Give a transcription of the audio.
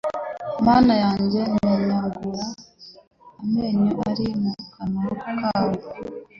Mana yanjye menagura amenyo ari mu kanwa kabo